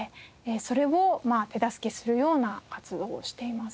それを手助けするような活動をしています。